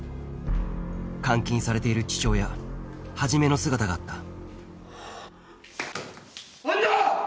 監禁されている父親始の姿があったアンナ！